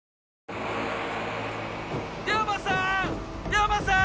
龍馬さん！